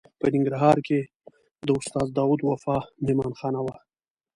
په ننګرهار کې د استاد داود وفا مهمانه خانه وه.